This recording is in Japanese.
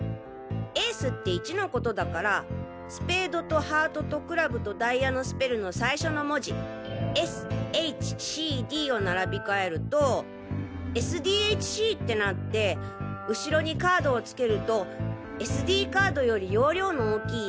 エースって１のことだからスペードとハートとクラブとダイヤのスペルの最初の文字「Ｓ」「Ｈ」「Ｃ」「Ｄ」を並び替えると「ＳＤＨＣ」ってなって後ろにカードを付けるとＳＤカードより「容量の大きい」